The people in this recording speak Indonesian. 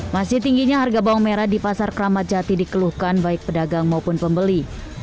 masih tingginya harga bawang merah di pasar kramat jati dikeluhkan baik pedagang maupun pembeli